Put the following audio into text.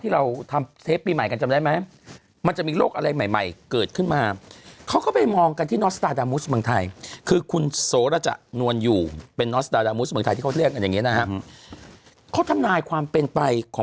เรียกกันอย่างนี้นะครับเขาทำนายความเป็นไปของ